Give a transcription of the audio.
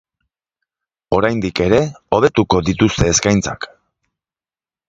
Oraindik ere hobetuko dituzte eskaintzak.